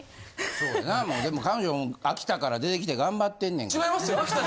そうやなでも彼女も秋田から出てきて頑張ってんねんから。